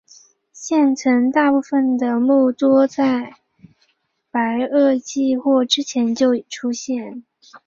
现存大部分的目多在白垩纪或之前就已出现。